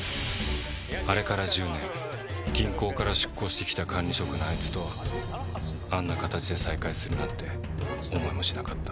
あれから１０年銀行から出向してきた管理職のあいつとあんな形で再会するなんて思いもしなかった。